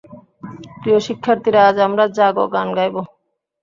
প্রিয় শিক্ষার্থীরা, আজ আমরা জাগো গান গাইব!